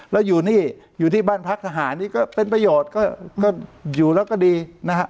แล้วอยู่นี่อยู่ที่บ้านพักทหารนี่ก็เป็นประโยชน์ก็อยู่แล้วก็ดีนะฮะ